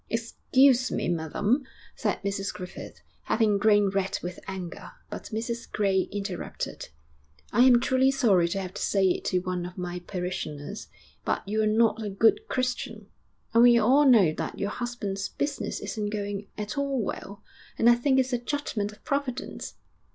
'Excuse me, madam.'... said Mrs Griffith, having grown red with anger; but Mrs Gray interrupted. 'I am truly sorry to have to say it to one of my parishioners, but you are not a good Christian. And we all know that your husband's business isn't going at all well, and I think it's a judgment of Providence.'